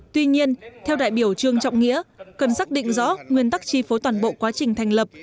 tuy nhiên theo đại biểu trương trọng nghĩa cần xác định rõ nguyên tắc chi phối toàn bộ quá trình thành lập